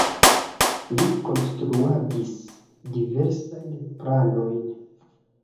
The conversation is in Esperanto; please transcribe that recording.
Li konstruadis diversajn planojn.